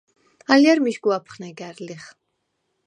ალჲა̈რ მიშგუ აფხნეგა̈რ ლიხ.